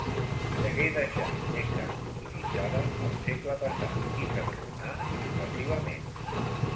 Degué deixar d'ésser utilitzada el segle passat i s'enrunà progressivament.